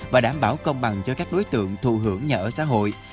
và đảm bảo công bằng cho các đối tượng thù hưởng nhà ở xã hội